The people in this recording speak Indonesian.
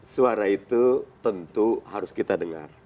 suara itu tentu harus kita dengar